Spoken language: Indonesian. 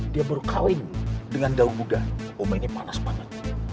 dia baru kawin dengan daun muda om ini panas banget